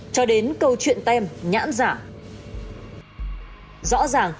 cái dành nho kia kia kia